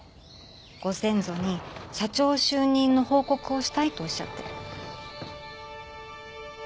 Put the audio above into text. ご先祖に社長就任の報告をしたいとおっしゃって。